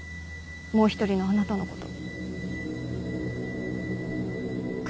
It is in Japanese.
もう一人のあなたのこと。